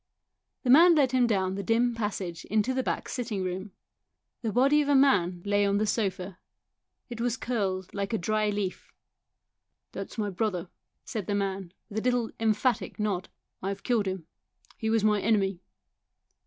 The man led him down the dim passage into the back sitting room. The body of a man lay on the sofa ; it was curled like a dry leaf. " That is my brother," said the man, with a little emphatic nod ;" I have killed him. He was my enemy."